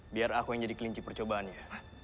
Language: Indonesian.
biar aku yang jadi kelinci percobaannya